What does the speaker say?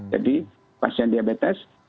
jadi pasien diabetes